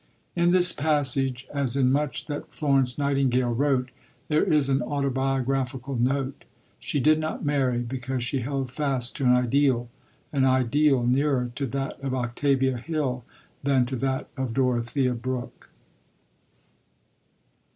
In this passage, as in much that Florence Nightingale wrote, there is an autobiographical note. She did not marry because she held fast to an ideal an ideal nearer to that of Octavia Hill than to that of Dorothea Brooke.